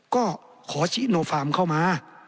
ก็ขอชิโนฟาร์มเข้ามา